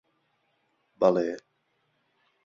بەڵێ.